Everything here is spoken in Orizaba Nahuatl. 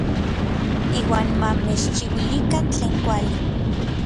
Iuan ma mechchiuilikan tlen kuali.